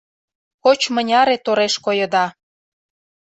Коч-мыняре тореш койыда